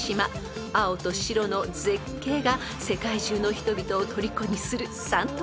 ［青と白の絶景が世界中の人々をとりこにする］